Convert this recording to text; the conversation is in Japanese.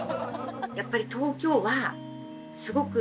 「やっぱり東京はすごく」